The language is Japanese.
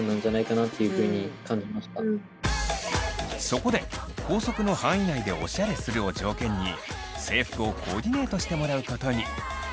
そこで校則の範囲内でオシャレするを条件に制服をコーディネートしてもらうことに。